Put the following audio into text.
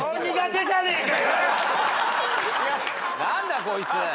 何だこいつ。